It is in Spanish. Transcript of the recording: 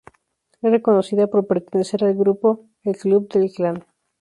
Es reconocida por pertenecer al grupo El club del clan.